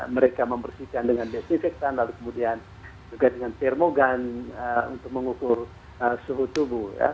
mereka membersihkan dengan desinfektan lalu kemudian juga dengan termogan untuk mengukur suhu tubuh